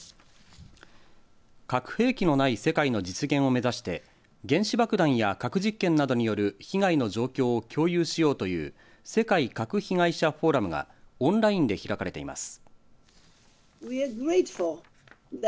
核兵器のない世界の実現を目指して原子爆弾や核実験などによる被害の状況を共有しようという世界核被害者フォーラムがオンラインで開かれています。